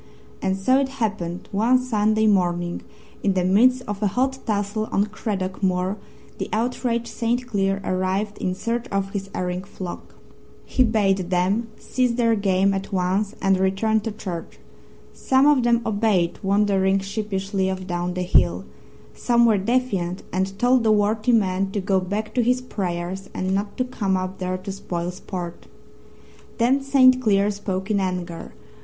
And so it happened one Sunday morning, in the midst of a hot tussle on Craddock Moor, the outraged St. Cleer arrived in search of his erring flock. He bade them cease their game at once and return to church. Some of them obeyed, wandering sheepishly off down the hill; some were defiant and told the worthy man to go back to his prayers and not to come up there to spoil sport. Then St. Cleer spoke in anger.